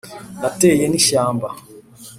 nateye n’ishyamba